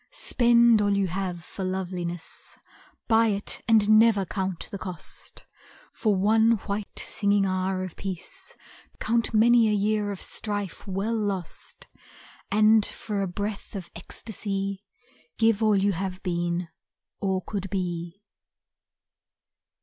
Spend all you have for loveliness, Buy it and never count the cost; For one white singing hour of peace Count many a year of strife well lost, And for a breath of ecstasy Give all you have been, or could be.